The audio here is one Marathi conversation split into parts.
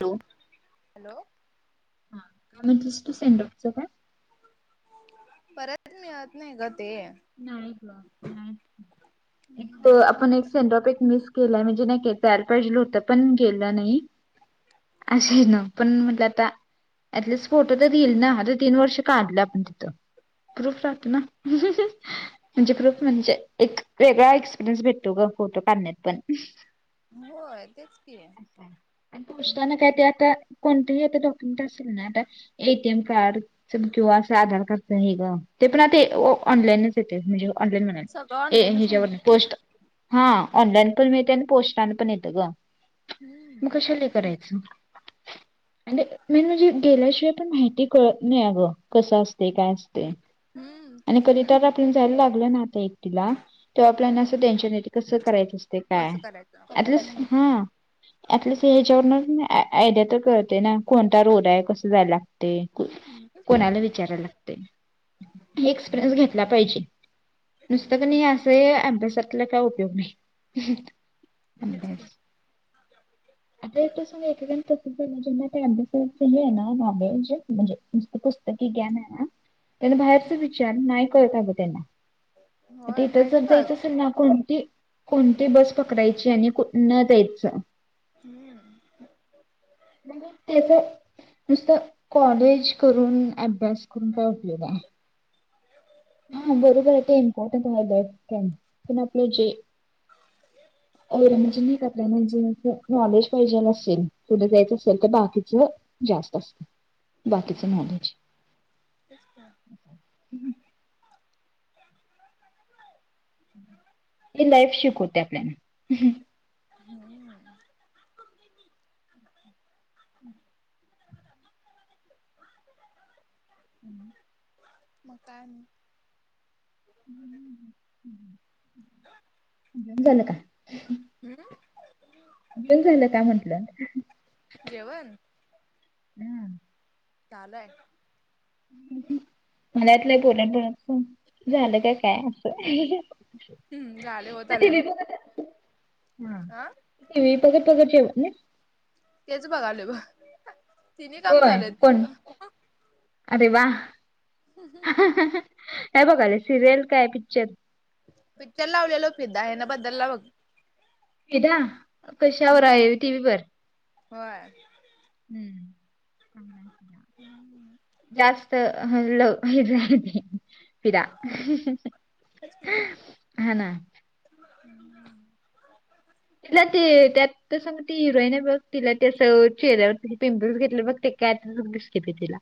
हॅलो! हॅलो! हा काय म्हणतेस तू, सेंड ऑफ च काय? परत मिळत नाही गं ते. [unintelligible] एक आपण म्हणूनच सेंड ऑफ एक मीस [unintelligible] केलाय, म्हणजे नाही काय पण गेलं नाही अशा हे नं, पण म्हंटलं आता, ऍटलिस्ट फोटो तरी ईल ना, आता तीन वर्ष काढलं आपण तिथं, प्रुफ राहतो ना. म्हणजे प्रूप म्हणजे एक वेगळा एक्सपिरियन्स भेटतो गं, फोटो काढण्यात पण. होय तेच की. [unintelligible] एटीएम कार्ड, असं किंवा असं आधार कार्डच हे गं, ते पण आता ऑनलाईनच येतंय, म्हणजे ऑनलाईन म्ह सगळं ऑनलाईनच मिळत ह्याच्यावर पोस्ट हा, ऑनलाइन पण मिळतंय अनी पोस्टन पण येतंय गं, हम्म मग कशाला हे करायचं. [inaudible] आणि मेन म्हणजे, गेल्याशिवाय पण माहिती कळत नाही अगं, कसं असतय काय असतय. हम्म आणि तेच की कधीतरी आपण जायला लागलं ना आता एकटीला तेव्हा आपल्यालांना असं टेन्शन येतय, कसं करायचं असतय काय, कसं करायचं ऍटलिस्ट हम्म हा एटलीस्ट हह्यच्यावरनं आयडिया तर कळतय नाय, कसं जाया लागतय, कोणता रोड आय हम्म तय, तेच की कोणाला विचाराय लागतय, मी इक्सपीरींस घेतला पायजे, नुसतं हम्म हे आपल्या सारख्याला काय उपयोग नाही. [unintelligible] तेच की ते कसं ऐकेकांना अभ्यासाचं हे आहे ना नॉलेज म्हणजे नुसतं पुस्तकी ज्ञान आहे ना, तर बाहेरचं विचार नाही कळत अगं त्याला, म ते होय नाहीत इथंच जायचं कळत असल ना कोणती कोणती बस पकडायची आणि कुठंनं जायचं हम्म. म त्याच नुसतं कॉलेज करून, अभ्यास करून काय उपयोग आहे. हा हम्म बरोबर आहे ते इम्पॉर्टंट हाय पण आपलं जे [unintelligible] तेच म्हणजे असं नॉलेज पाहिजे असेल, पुुढे जायचं असेल तर बाकीच जास्त असतं. [unintelligible] हे लाईफ शिकवते आपल्याला. हं. ह. [inaudible] मकाय. आणी. [unintelligible] बंद झालं का. हं. बंद झालं का म्हंटलं. जेवण. हां. चालू आय. मला वाटलं पोरापोरांच पण झालं का काय, असं. हम्म झालय होत आलय. हां, टिव्ही बघत बघत जेवत नाही. तेच बघायलो बघ. तिन्ही काम होय चालू आहेत माझं कोणती, अरे वा. हहहं. काय बघायले सिरियल काय पिक्चर? पिक्चर लावलेलो फिदा, ह्यन बदलला बघ. फिदा, कशावर हम्म आहे टीव्हीवर. होय. चांगला आहे फिदा. [unintelligible] जास्त फिदा हा ना. हं. [unintelligible] तिला ते त्यात तसं मग ती हिरोईन आहे बघ, तिला त्ये असं चेहऱ्यावर तेन पिंपल्स घेतलय बघ ते कॅट लूक दिसतय ते तीला.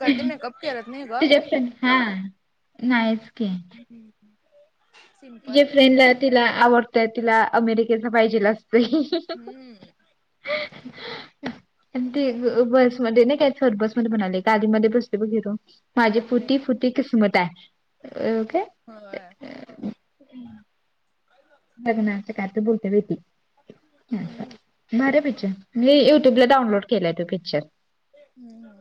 कधी मेकअप करत नाही ग. तुझ्या प हा नाहीच की. हं. ति जे फ्रेंडला तिला आवडतय तिला अमेरिकेतनं पाहिजेल असतय. हम्म. पण ते बसमध्ये नाही काय, बसमध्ये म्हणालोय गाडीमध्ये बसतोय बघ हिरो माझी फुटी फुटी किस्मत हाय. अ काय होय मागनं असं काय तर बोलतय बाई ती हम्म भारीय पिक्चर, मी युट्यूबला डाउनलोड केलाय तो पिक्चर. हं हं.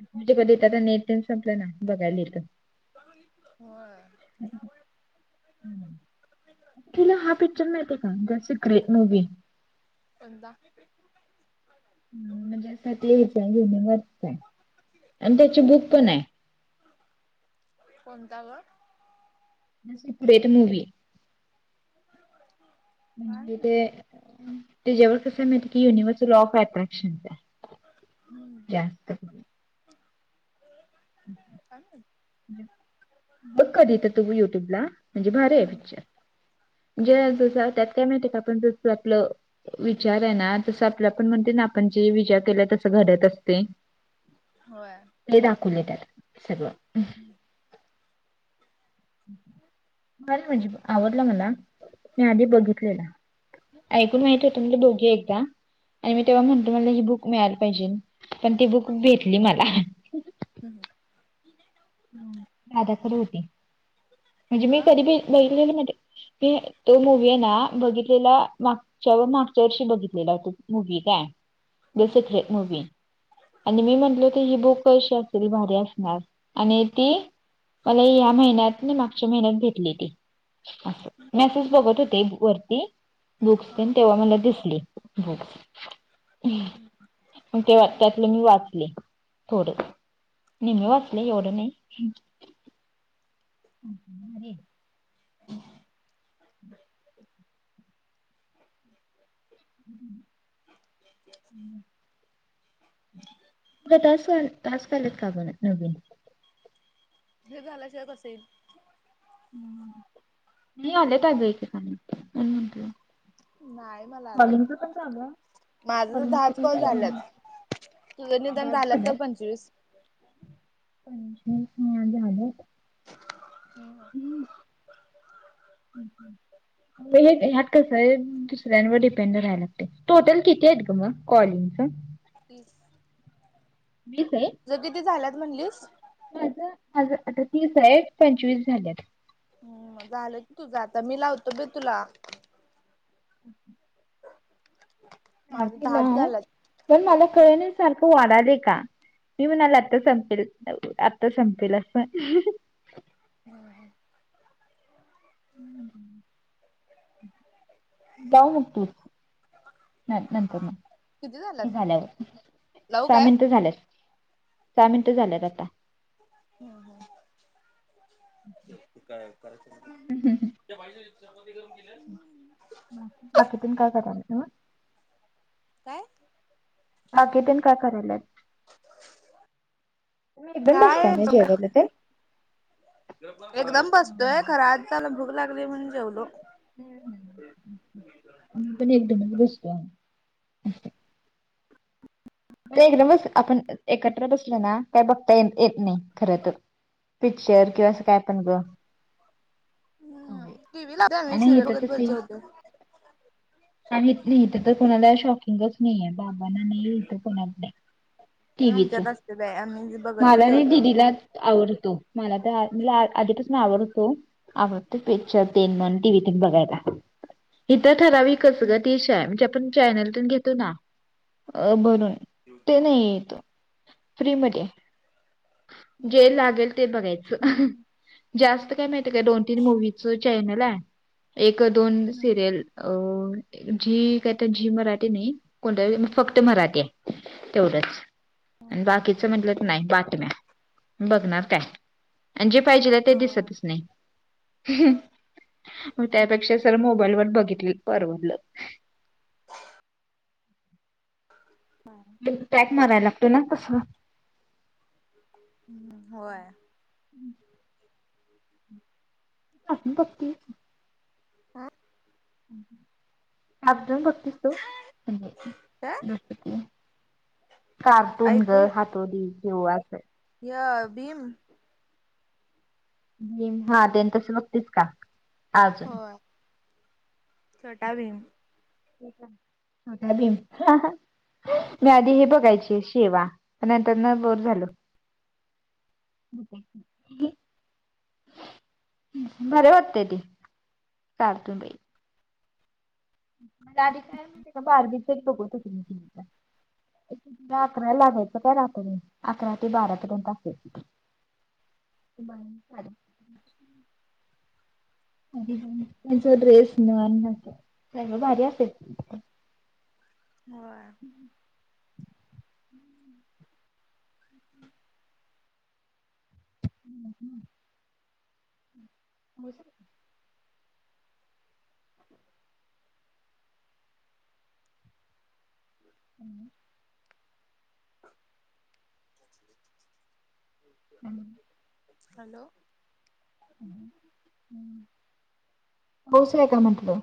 म्हणजे कधीतर नेटतन संपलं ना, बघायला येतय. होय. तुला हा पिक्चर माहितय का, असं ग्रेट मूव्ही कोणता? म्हणजे असं तेच वरच आहे, आणि त्याची बुक पण आहे. कोणता ग.? Secret movie. [inaudible] म्हणजे ते, त्याच्यावर कसं मा त की युनिव्हर्सल लॉ ऑफ अट्रॅक्शन हाय. माहित जास्त. आसल [unintelligible] बघ कधीतर तू युट्यूब ला. म्हणजे भारी आहे पिक्चर, म्हणजे हम्म असं त्यात काय माहितीय का, आपण जसं आपलं- विचार आहे ना, तसं आपल्या आपण म्हणतय ना आपण जे विचार केला तसं घडत असतय. होय ते दाखवलय त्यात, सगळं. हम्म. [inaudible] बर म्हणजे आवडला मला, मी आधी बघितलेला. ऐकून माहिती होतं म्हणजे दोघी एकदा- आणि मी तेव्हा म्हणलं मला ही बुक मिळायला पाहिजेल, पण ती बुक भेटली मला. हं. दादाकडं होती, म्हणजे मी हा कधी बघितलेली माहितय मी तो मूवी आहे ना, बघितलेला माग शेवण मागच्या वर्षी बघितलेला तो मूवी काय. द हम्म सिक्रेट मूवी, आणि मी म्हटलो ते ही बुक कशी असेल भारी असणार. आणि ती, मला या महिन्यात नाही मागच्या महिन्यात भेेटली ती. असं, मेसेज बघत होते वरती. बुक्स तेन हा. तेव्हा मला दिसली बुक्स. मग तेव्हा, त्यातलं मी वाचले थोडं, निम्म वाचलय एवढं नाही. आणि [unintelligible] तुला टास्क, टास्क आलेत कागं नवीन? हे झाल्याशिवाय कसं ईल. नाही आल्यात अगं इथं म्हणुन म्हटलं. नाय मला आलं, माझंतर दहाच कॉल झाल्यात. तुझं निदान झाल्यात तर पंचवीस. [unintelligible] माझं झालय. हम्म. हं. [inaudible] हे ह्यात कसं आहे, दुसऱ्यांवर डिपेंड राहायला लागतय, टोटल किती आहेत ग मग कॉलिंगच.? तीस. तीस हाईत. तुझं किती झाल्यात म्हणलीस.? माझं, माझं आता तीस हाईत, पंचवीस झाल्यात. हम्म झालं की तुझं आता मी लावतो बाई तुला. [inaudible] [unintelligible] माझ सारखे दहाच लाऊन, झालात. पण मला कळण्या सारखं वाढालय का.? मी म्हणालो आता संपेल आत्ता संपेल असं. होय. हं. [inaudible] काव म्हणतीस, नाही हा नंतरनं. किती झालात हे झाल्यावर, लावू सहा काय? मिनट झाल्यात, सहा मिनट झाल्यात आता. हम्म हम्म. [unintelligible] [unintelligible] काय.? [unintelligible] काकी तन काय कराल्यात. तुम्ही एकदम बसताय काय ना जेवायला ताई. एकदम बसतोय खरं आज त्याला भूक लागली म्हणून जेवलो. आम्ही पण एकदमच बसतोय. एकदामच एकत्र बसलं ना, काही बघता येत नाही खरं तर. पिक्चर किंवा असं काय पण ग. हम्म हो, टी व्ही लावते आम्ही आणि सिरियल इथं बघत कसं बघत आहे जेवतोय. आणि इथं तर कोणाला शॉकिंगच नाहीय, बाबाांना नाही. कुणाला नाही, टीवीच, आमच्यात असते बाई आम्ही बघतच मला नाही जेवतोय. दिदीलाच आवडतो, मला तर म्ह आधीपासून आवडतो. आवडतं पिक्चर तेन टिव्ही तन बघायला. इथं ठराविकच ग, डिशय म्हणजे आपण चॅनलतन घेतो ना, अ ते नाही इथं, फ्री मध्ये आहे. जे लागेल ते बघायचं. जास्त काय माहितीय काय, दोन तीन मूवीच चॅनल आहे एक दोन हम्म सिरियल, अ झी कायतर झी मराठी नाही. कोणतं फक्त मराठी आहे, तेवढंच. आणि बाकीचं म्हटलं तर नाही बातम्या, बघणार काय. आणि जे पाहिजेल हाय ते दिसतच नाही. हं, मग त्यापेक्षा सरळ मोबाईल वर बघितलेलं परवडलं. नेट पॅक मारायला लागतोय ना तसं. होय. हं. [inaudible] [unintelligible] [inaudible] कार्टून बघतीस तु, काय नाही कार्टून ग ऐकू हातोडी कींवा य भीम. हा भीम, ते तसं बघतीस का. अजून होय, छोटा भीम. छोटा भीम. मी आधी हे बघायची शेवा, नंतर नं बोर झालं. [unintelligible] बरं वाटतंय ते, कार्टून बाई. [unintelligible] ला अकरा लागायचं काय रात्री, अकरा ते बारा पर्यंत असायचं ते. [unintelligible] [unintelligible] सगळं भारी असायचं. होय. [inaudible] [unintelligible] हं. [inaudible] [inaudible] हम्म. हॅलो! पौस हाय काय म्हटलं.